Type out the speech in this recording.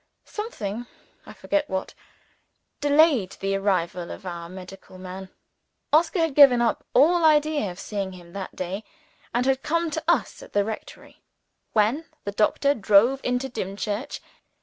Something I forget what delayed the arrival of our medical man. Oscar had given up all idea of seeing him that day, and had come to us at the rectory when the doctor drove into Dimchurch.